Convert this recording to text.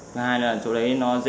thứ hai là chỗ đấy nó dễ đột nhập